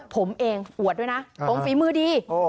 ผมเองอวดด้วยนะผมฝีมือดี